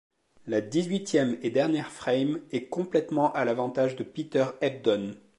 La dix-huitième et dernière frame est complètement à l'avantage de Peter Ebdon.